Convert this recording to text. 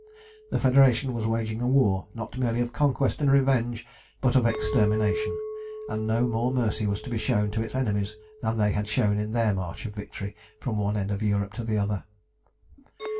The Federation was waging a war, not merely of conquest and revenge, but of extermination, and no more mercy was to be shown to its enemies than they had shown in their march of victory from one end of Europe to the other.